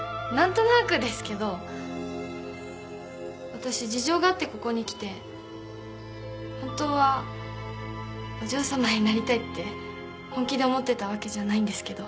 わたし事情があってここに来て本当はお嬢さまになりたいって本気で思ってたわけじゃないんですけど。